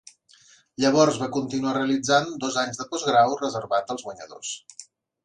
Llavors va continuar realitzant dos anys de postgrau reservat als guanyadors.